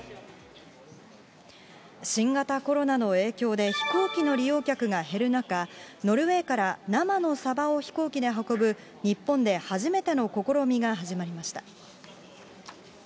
新型コロナの影響で、飛行機の利用客が減る中、ノルウェーから生のサバを飛行機で運ぶ、日本で初めての試みが始まりました。